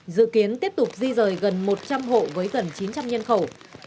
dự kiến tiếp tục di rời gần một trăm linh hộ với gần chín trăm linh nhân khẩu